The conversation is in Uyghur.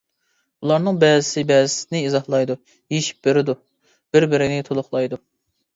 ئۇلارنىڭ بەزىسى بەزىسىنى ئىزاھلايدۇ، يېشىپ بېرىدۇ، بىر-بىرىنى تولۇقلايدۇ.